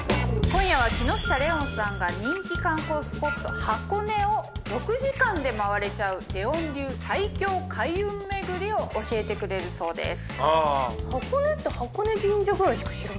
今夜は木下レオンさんが人気観光スポット箱根を６時間で回れちゃうレオン流最強開運巡りを教えてくれるそうです。